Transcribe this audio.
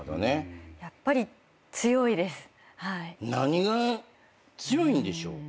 何が強いんでしょうか。